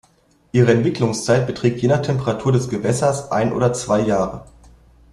Ihre Entwicklungszeit beträgt je nach Temperatur des Gewässers ein oder zwei Jahre.